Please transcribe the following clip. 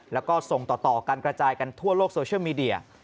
แล้วก็ส่งต่อการกระจายกันทั่วโลกโซเชียลมีเดีย